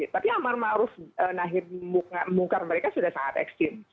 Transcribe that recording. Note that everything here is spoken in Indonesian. tapi amar ma'ruf nahir muka mereka sudah sangat ekstrim